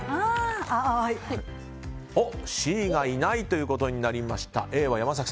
Ｃがいないということになりました。